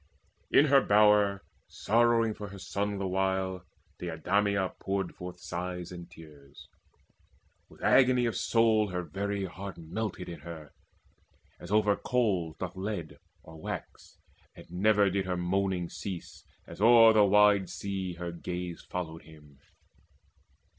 In her bower, sorrowing for her son the while, Deidameia poured forth sighs and tears. With agony of soul her very heart Melted in her, as over coals doth lead Or wax, and never did her moaning cease, As o'er the wide sea her gaze followed him.